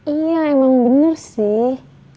iya emang bener sih